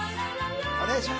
お願いします。